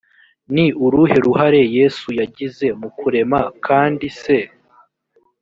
ni uruhe ruhare yesu yagize mu kurema kandi se